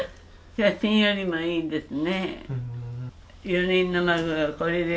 写真よりもいいですね。